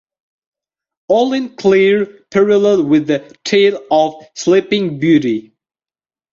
All in clear parallel with the tale of Sleeping Beauty.